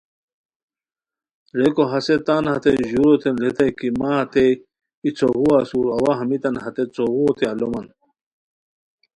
ریکو ہسے تان ہتے ژوروتین ریتائے کی مہ ہتئے ای څوغو اسور اوا ہمیتان ہتے څوغوؤتے الومان